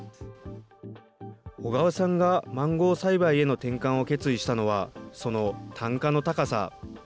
小川さんがマンゴー栽培への転換を決意したのは、その単価の高さ。